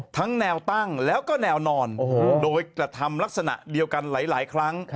ทั้งแนวตั้งแล้วก็แนวนอนโดยกระทำลักษณะเดียวกันหลายครั้ง